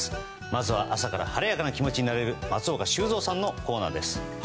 まずは朝から晴れやかな気持ちになれる松岡修造さんのコーナーです。